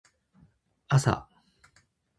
朝